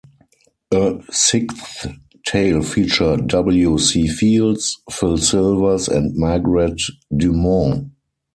A sixth tale featured W. C. Fields, Phil Silvers and Margaret Dumont.